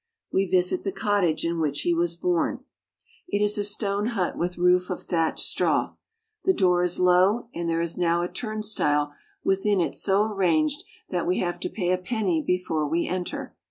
We visit the cottage in which he was born. It is a stone THE HOMES OF BURNS AND SCOTT. 47 hut with roof of thatched straw. The door is low, and there is now a turnstile within it so arranged that we have to pay a penny before we enter.